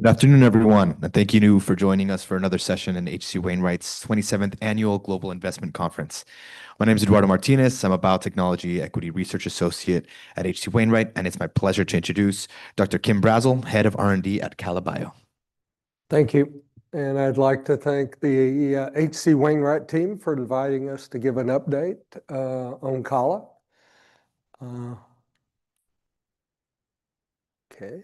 Good afternoon, everyone. Thank you for joining us for another session in H.C. Wainwright's 27th Annual Global Investment Conference. My name is Eduardo Martinez. I'm a Biotechnology Equity Research Associate at H.C. Wainwright, and it's my pleasure to introduce Dr. Kim Brazzell, Head of R&D at KALA BIO. Thank you, and I'd like to thank the H.C. Wainwright team for inviting us to give an update on KALA. Okay.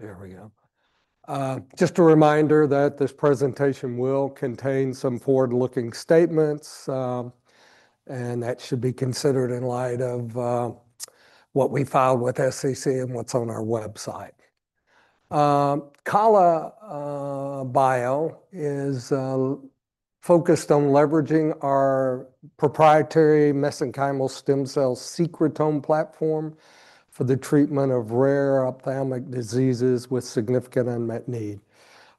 There we go. Just a reminder that this presentation will contain some forward-looking statements, and that should be considered in light of what we filed with SEC and what's on our website. KALA BIO is focused on leveraging our proprietary mesenchymal stem cell secretome platform for the treatment of rare ophthalmic diseases with significant unmet need.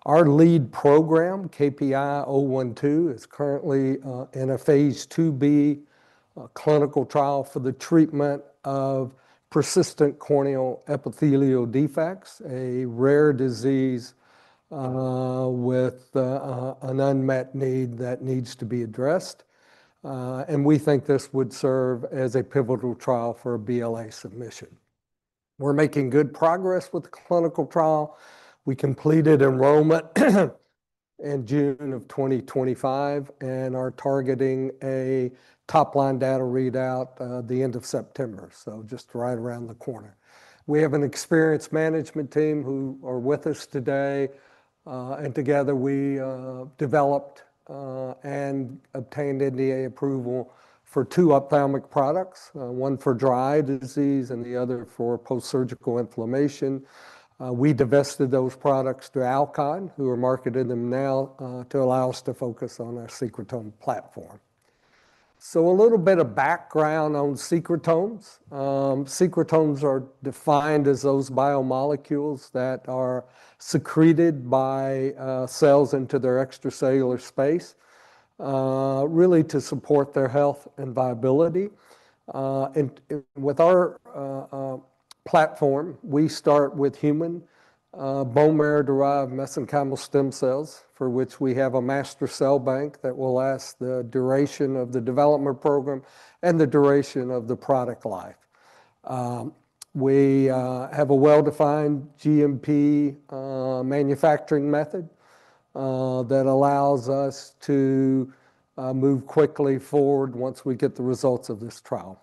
Our lead program, KPI-012, is currently in a phase IIb clinical trial for the treatment of persistent corneal epithelial defects, a rare disease with an unmet need that needs to be addressed, and we think this would serve as a pivotal trial for a BLA submission. We're making good progress with the clinical trial. We completed enrollment in June of 2025, and are targeting a top-line data readout the end of September, so just right around the corner. We have an experienced management team who are with us today, and together we developed and obtained NDA approval for two ophthalmic products, one for dry disease and the other for postsurgical inflammation. We divested those products to Alcon, who are marketing them now to allow us to focus on our secretome platform, so a little bit of background on secretomes. Secretomes are defined as those biomolecules that are secreted by cells into their extracellular space, really to support their health and viability, and with our platform, we start with human bone marrow-derived mesenchymal stem cells, for which we have a master cell bank that will last the duration of the development program and the duration of the product life. We have a well-defined GMP manufacturing method that allows us to move quickly forward once we get the results of this trial.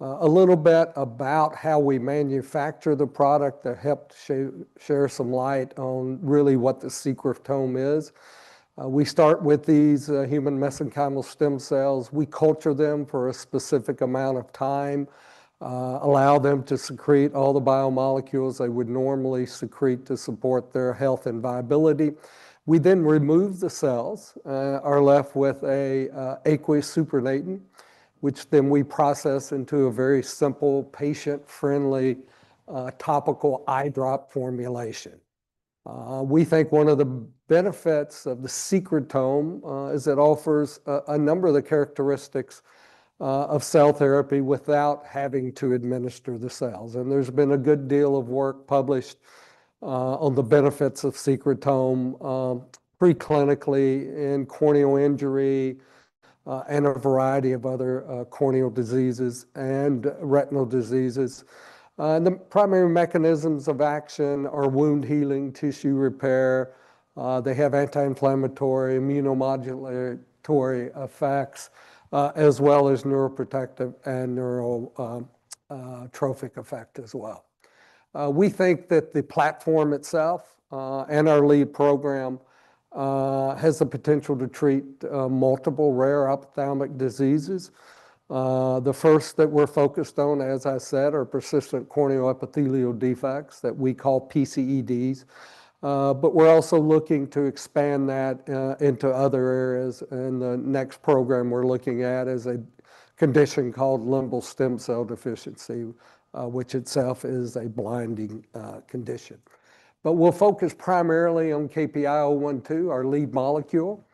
A little bit about how we manufacture the product that helped share some light on really what the secretome is. We start with these human mesenchymal stem cells. We culture them for a specific amount of time, allow them to secrete all the biomolecules they would normally secrete to support their health and viability. We then remove the cells, are left with an aqueous supernatant, which then we process into a very simple, patient-friendly topical eye drop formulation. We think one of the benefits of the secretome is it offers a number of the characteristics of cell therapy without having to administer the cells. And there's been a good deal of work published on the benefits of secretome preclinically in corneal injury and a variety of other corneal diseases and retinal diseases. And the primary mechanisms of action are wound healing, tissue repair. They have anti-inflammatory, immunomodulatory effects, as well as neuroprotective and neurotrophic effect as well. We think that the platform itself and our lead program has the potential to treat multiple rare ophthalmic diseases. The first that we're focused on, as I said, are persistent corneal epithelial defects that we call PCEDs. But we're also looking to expand that into other areas. And the next program we're looking at is a condition called limbal stem cell deficiency, which itself is a blinding condition. But we'll focus primarily on KPI-012, our lead molecule.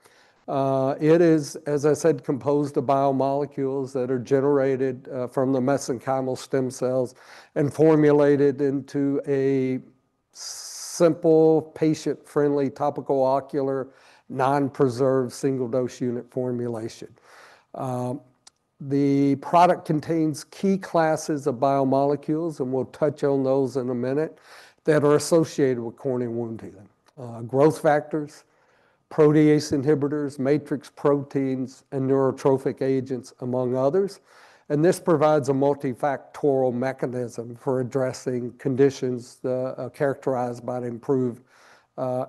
It is, as I said, composed of biomolecules that are generated from the mesenchymal stem cells and formulated into a simple, patient-friendly, topical, ocular, non-preserved single-dose unit formulation. The product contains key classes of biomolecules, and we'll touch on those in a minute, that are associated with corneal wound healing: growth factors, protease inhibitors, matrix proteins, and neurotrophic agents, among others, and this provides a multifactorial mechanism for addressing conditions characterized by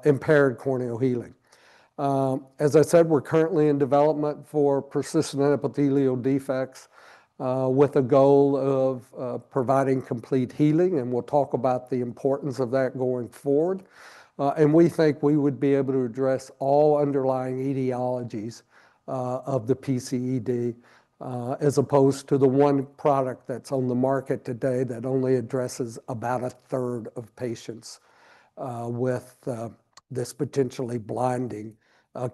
impaired corneal healing. As I said, we're currently in development for persistent epithelial defects with a goal of providing complete healing, and we'll talk about the importance of that going forward, and we think we would be able to address all underlying etiologies of the PCED, as opposed to the one product that's on the market today that only addresses about a third of patients with this potentially blinding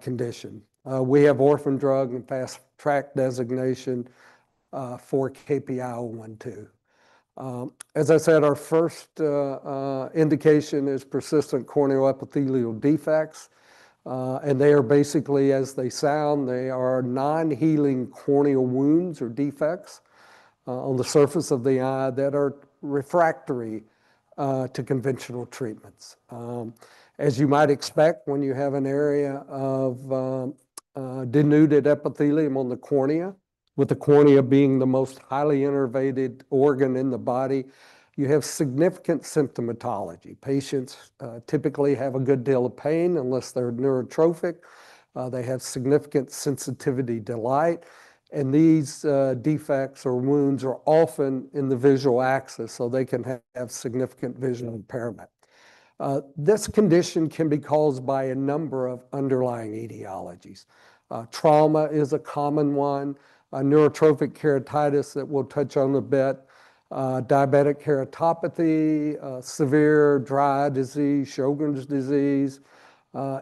condition. We have Orphan Drug and Fast Track designation for KPI-012. As I said, our first indication is persistent corneal epithelial defects. And they are basically, as they sound, they are non-healing corneal wounds or defects on the surface of the eye that are refractory to conventional treatments. As you might expect, when you have an area of denuded epithelium on the cornea, with the cornea being the most highly innervated organ in the body, you have significant symptomatology. Patients typically have a good deal of pain unless they're neurotrophic. They have significant sensitivity to light. And these defects or wounds are often in the visual axis, so they can have significant visual impairment. This condition can be caused by a number of underlying etiologies. Trauma is a common one, neurotrophic keratitis that we'll touch on a bit, diabetic keratopathy, severe dry eye disease, Sjögren's disease,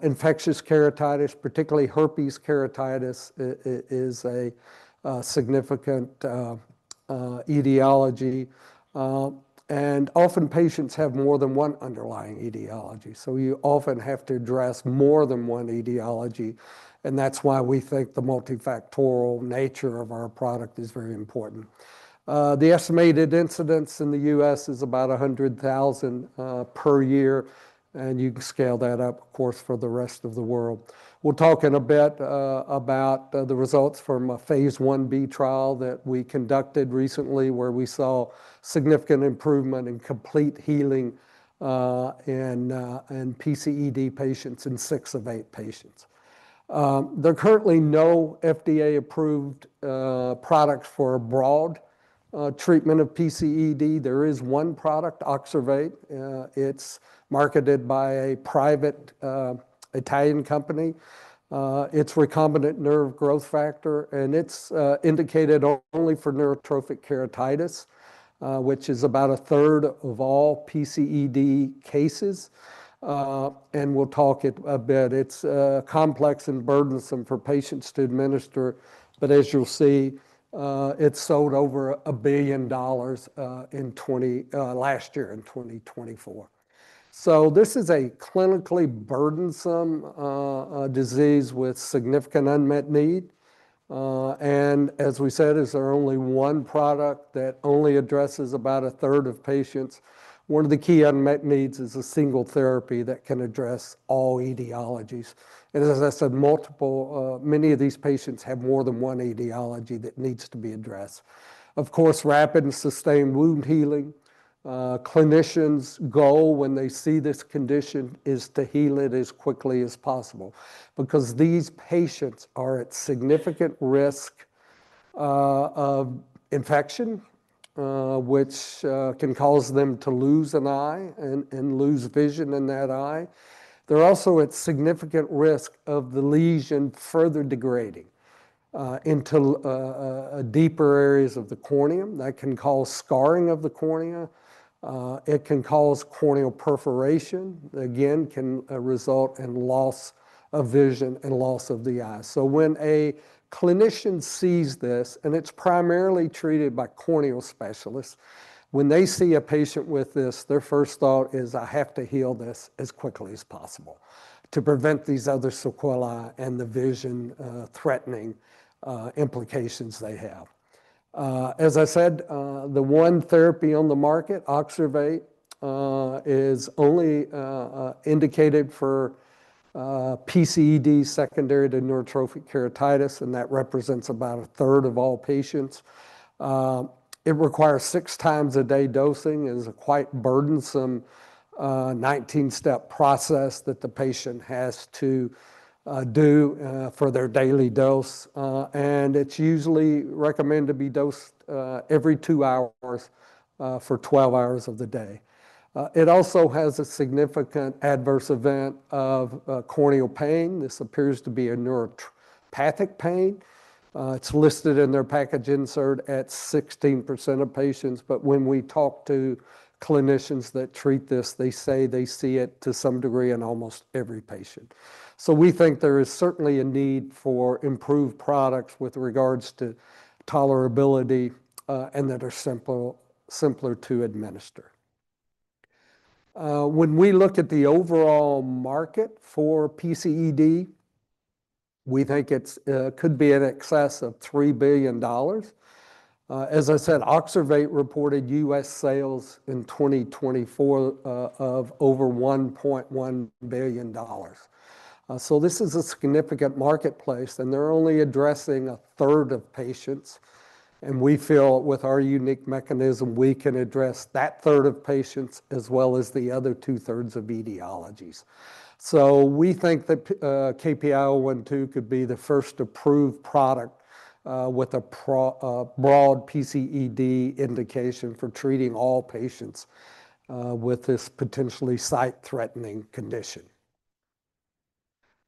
infectious keratitis, particularly herpes keratitis, is a significant etiology. And often patients have more than one underlying etiology, so you often have to address more than one etiology. And that's why we think the multifactorial nature of our product is very important. The estimated incidence in the U.S. is about 100,000 per year, and you can scale that up, of course, for the rest of the world. We'll talk in a bit about the results from a phase IIb trial that we conducted recently, where we saw significant improvement in complete healing in PCED patients in six of eight patients. There are currently no FDA-approved products for broad treatment of PCED. There is one product, OXERVATE. It's marketed by a private Italian company. It's recombinant nerve growth factor, and it's indicated only for neurotrophic keratitis, which is about a third of all PCED cases, and we'll talk a bit. It's complex and burdensome for patients to administer, but as you'll see, it sold over $1 billion last year in 2024, so this is a clinically burdensome disease with significant unmet need. And as we said, as there's only one product that only addresses about a third of patients, one of the key unmet needs is a single therapy that can address all etiologies, and as I said, many of these patients have more than one etiology that needs to be addressed. Of course, rapid and sustained wound healing. Clinicians' goal when they see this condition is to heal it as quickly as possible because these patients are at significant risk of infection, which can cause them to lose an eye and lose vision in that eye. They're also at significant risk of the lesion further degrading into deeper areas of the cornea. That can cause scarring of the cornea. It can cause corneal perforation. Again, it can result in loss of vision and loss of the eye. So when a clinician sees this, and it's primarily treated by corneal specialists, when they see a patient with this, their first thought is, "I have to heal this as quickly as possible to prevent these other sequelae and the vision-threatening implications they have." As I said, the one therapy on the market, OXERVATE, is only indicated for PCED secondary to neurotrophic keratitis, and that represents about a third of all patients. It requires six times a day dosing. It is a quite burdensome 19-step process that the patient has to do for their daily dose. And it's usually recommended to be dosed every two hours for 12 hours of the day. It also has a significant adverse event of corneal pain. This appears to be a neuropathic pain. It's listed in their package insert at 16% of patients. But when we talk to clinicians that treat this, they say they see it to some degree in almost every patient. So we think there is certainly a need for improved products with regards to tolerability and that are simpler to administer. When we look at the overall market for PCED, we think it could be in excess of $3 billion. As I said, OXERVATE reported U.S. sales in 2024 of over $1.1 billion. So this is a significant marketplace, and they're only addressing a third of patients. And we feel with our unique mechanism, we can address that third of patients as well as the other two-thirds of etiologies. So we think that KPI-012 could be the first approved product with a broad PCED indication for treating all patients with this potentially sight-threatening condition.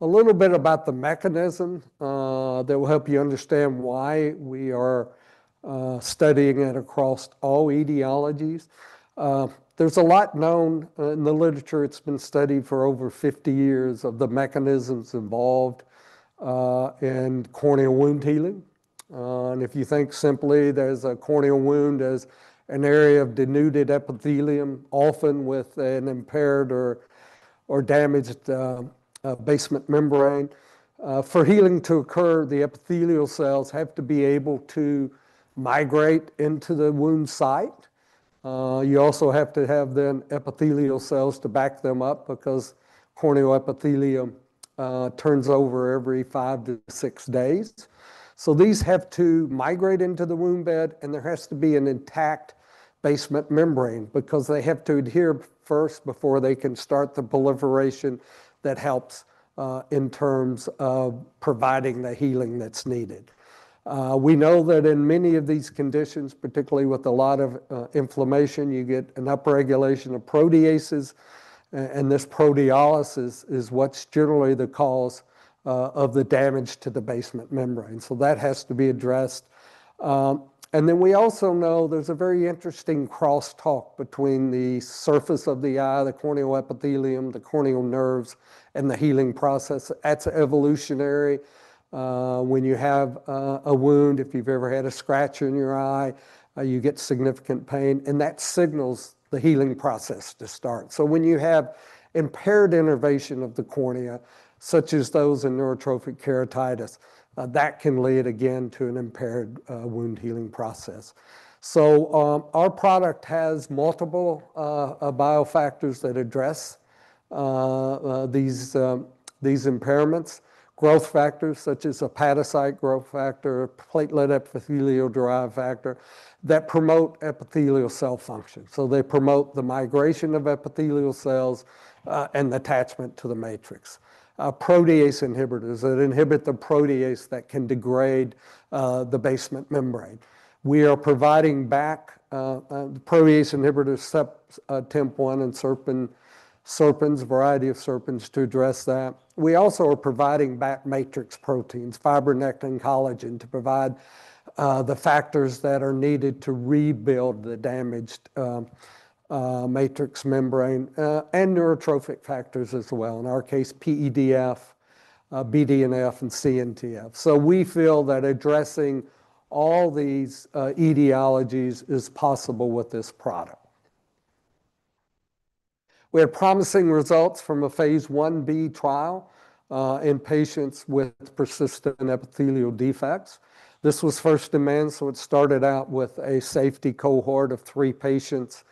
A little bit about the mechanism that will help you understand why we are studying it across all etiologies. There's a lot known in the literature. It's been studied for over 50 years of the mechanisms involved in corneal wound healing. And if you think simply, there's a corneal wound as an area of denuded epithelium, often with an impaired or damaged basement membrane. For healing to occur, the epithelial cells have to be able to migrate into the wound site. You also have to have then epithelial cells to back them up because corneal epithelium turns over every five to six days. So these have to migrate into the wound bed, and there has to be an intact basement membrane because they have to adhere first before they can start the proliferation that helps in terms of providing the healing that's needed. We know that in many of these conditions, particularly with a lot of inflammation, you get an upregulation of proteases, and this proteolysis is what's generally the cause of the damage to the basement membrane. So that has to be addressed. And then we also know there's a very interesting cross-talk between the surface of the eye, the corneal epithelium, the corneal nerves, and the healing process. That's evolutionary. When you have a wound, if you've ever had a scratch in your eye, you get significant pain, and that signals the healing process to start. So when you have impaired innervation of the cornea, such as those in neurotrophic keratitis, that can lead again to an impaired wound healing process. So our product has multiple biofactors that address these impairments, growth factors such as hepatocyte growth factor, pigment epithelium-derived factor that promote epithelial cell function. So they promote the migration of epithelial cells and attachment to the matrix. Protease inhibitors that inhibit the protease that can degrade the basement membrane. We are providing back protease inhibitors, TIMP-1 and serpins, a variety of serpins to address that. We also are providing back matrix proteins, fibronectin and collagen to provide the factors that are needed to rebuild the damaged matrix membrane and neurotrophic factors as well. In our case, PEDF, BDNF, and CNTF. So we feel that addressing all these etiologies is possible with this product. We have promising results from a phase IIb trial in patients with persistent epithelial defects. This was first-in-man, so it started out with a safety cohort of three patients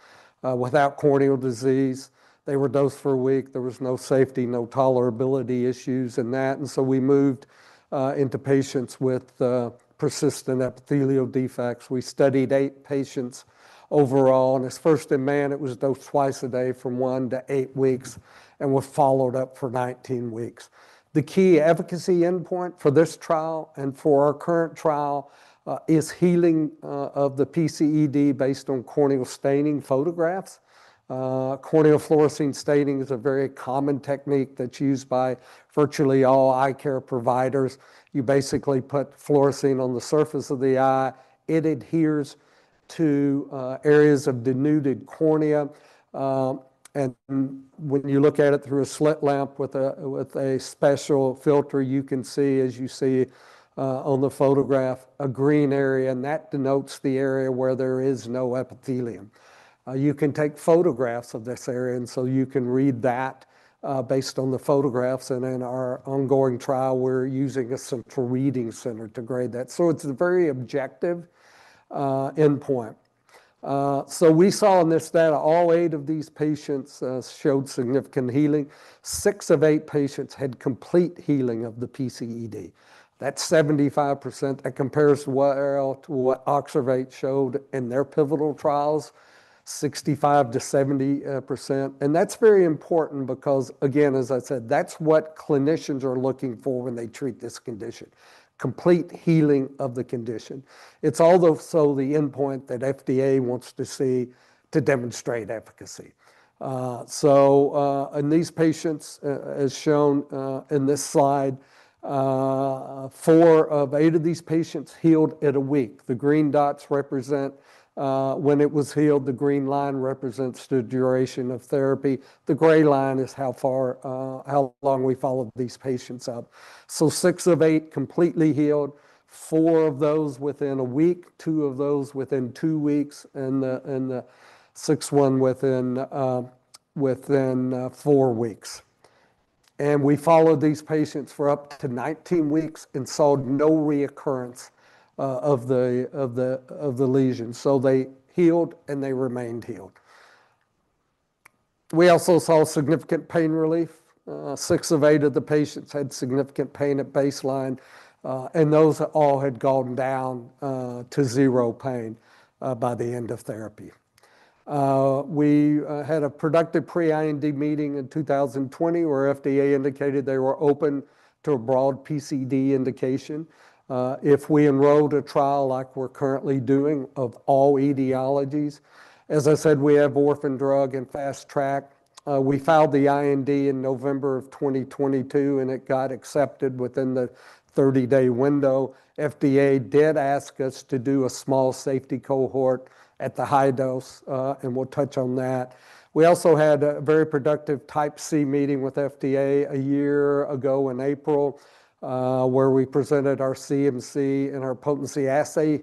without corneal disease. They were dosed for a week. There was no safety, no tolerability issues in that. And so we moved into patients with persistent epithelial defects. We studied eight patients overall. As first-in-man, it was dosed twice a day from one to eight weeks, and was followed up for 19 weeks. The key efficacy endpoint for this trial and for our current trial is healing of the PCED based on corneal staining photographs. Corneal fluorescein staining is a very common technique that's used by virtually all eye care providers. You basically put fluorescein on the surface of the eye. It adheres to areas of denuded cornea. When you look at it through a slit lamp with a special filter, you can see, as you see on the photograph, a green area, and that denotes the area where there is no epithelium. You can take photographs of this area, and so you can read that based on the photographs. In our ongoing trial, we're using a central reading center to grade that. So it's a very objective endpoint. So we saw in this that all eight of these patients showed significant healing. Six of eight patients had complete healing of the PCED. That's 75%. That compares well to what OXERVATE showed in their pivotal trials, 65%-70%. And that's very important because, again, as I said, that's what clinicians are looking for when they treat this condition, complete healing of the condition. It's also the endpoint that FDA wants to see to demonstrate efficacy. So in these patients, as shown in this slide, four of eight of these patients healed in a week. The green dots represent when it was healed. The green line represents the duration of therapy. The gray line is how long we followed these patients up. Six of eight completely healed, four of those within a week, two of those within two weeks, and six of one within four weeks. We followed these patients for up to 19 weeks and saw no recurrence of the lesion. They healed and they remained healed. We also saw significant pain relief. Six of eight of the patients had significant pain at baseline, and those all had gone down to zero pain by the end of therapy. We had a productive pre-IND meeting in 2020 where FDA indicated they were open to a broad PCED indication if we enrolled a trial like we're currently doing of all etiologies. As I said, we have orphan drug and fast track. We filed the IND in November of 2022, and it got accepted within the 30-day window. FDA did ask us to do a small safety cohort at the high dose, and we'll touch on that. We also had a very productive type C meeting with FDA a year ago in April where we presented our CMC and our potency assay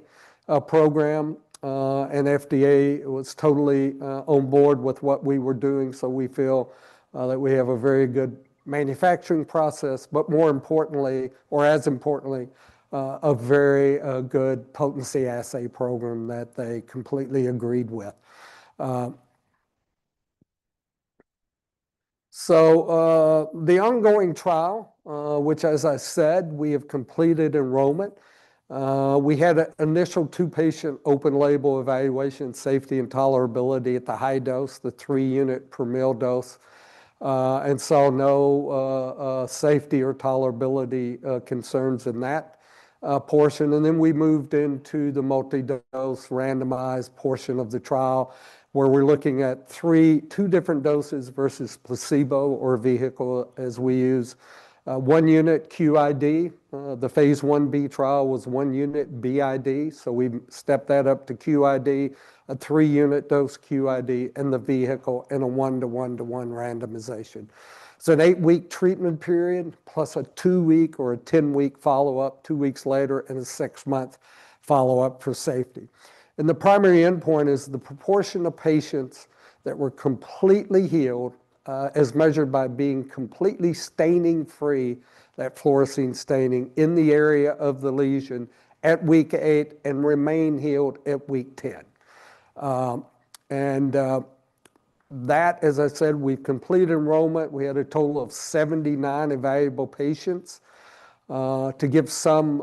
program, and FDA was totally on board with what we were doing. So we feel that we have a very good manufacturing process, but more importantly, or as importantly, a very good potency assay program that they completely agreed with. So the ongoing trial, which, as I said, we have completed enrollment. We had an initial two-patient open label evaluation safety and tolerability at the high dose, the three-unit per ml dose, and saw no safety or tolerability concerns in that portion. Then we moved into the multi-dose randomized portion of the trial where we're looking at two different doses versus placebo or vehicle as we use one unit QID. The phase IIb trial was one unit BID. So we stepped that up to QID, a three-unit dose QID, and the vehicle in a one-to-one-to-one randomization. So an eight-week treatment period plus a two-week or a 10-week follow-up two weeks later and a six-month follow-up for safety. And the primary endpoint is the proportion of patients that were completely healed as measured by being completely staining free, that fluorescein staining in the area of the lesion at week eight and remain healed at week 10. And that, as I said, we've completed enrollment. We had a total of 79 evaluable patients. To give some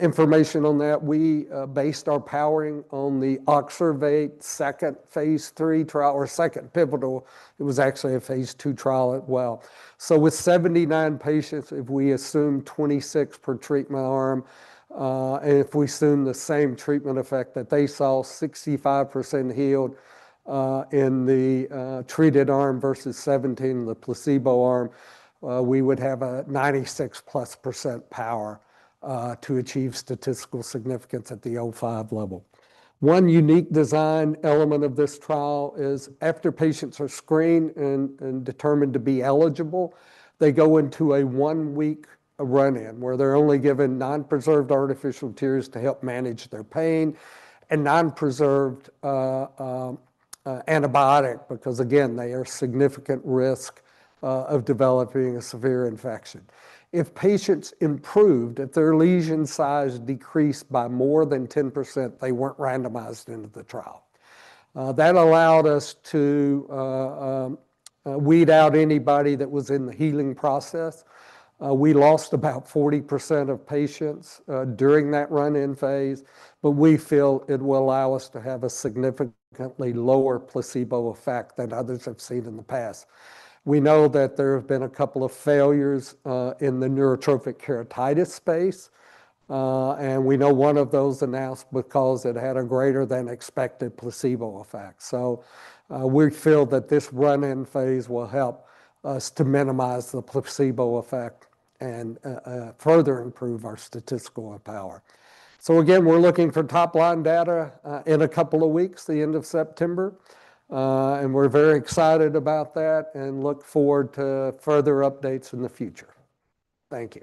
information on that, we based our powering on the OXERVATE second phase III trial or second pivotal. It was actually a phase II trial as well. So with 79 patients, if we assume 26 per treatment arm, and if we assume the same treatment effect that they saw, 65% healed in the treated arm versus 17% in the placebo arm, we would have a 96+% power to achieve statistical significance at the 0.05 level. One unique design element of this trial is after patients are screened and determined to be eligible, they go into a one-week run-in where they're only given non-preserved artificial tears to help manage their pain and non-preserved antibiotic because, again, they are at significant risk of developing a severe infection. If patients improved, if their lesion size decreased by more than 10%, they weren't randomized into the trial. That allowed us to weed out anybody that was in the healing process. We lost about 40% of patients during that run-in phase, but we feel it will allow us to have a significantly lower placebo effect than others have seen in the past. We know that there have been a couple of failures in the neurotrophic keratitis space, and we know one of those announced because it had a greater than expected placebo effect. So we feel that this run-in phase will help us to minimize the placebo effect and further improve our statistical power. So again, we're looking for top-line data in a couple of weeks, the end of September, and we're very excited about that and look forward to further updates in the future. Thank you.